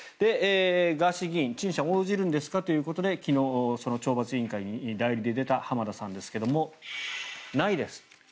ガーシー議員陳謝に応じるんですかということで昨日、その懲罰委員会に代理で出た浜田さんですけれどないですと。